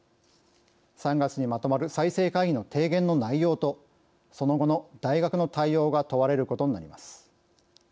３月にまとまる再生会議の提言の内容とその後の大学の対応が問われることになります。